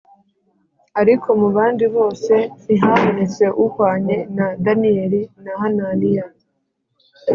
ariko mu bandi bose ntihabonetse uhwanye na Daniyeli na Hananiya